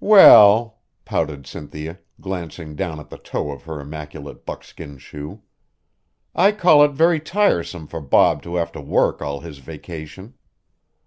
"Well," pouted Cynthia, glancing down at the toe of her immaculate buckskin shoe, "I call it very tiresome for Bob to have to work all his vacation."